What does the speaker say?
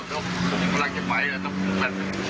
ผมกำลังจะไปแล้วต้องแบบ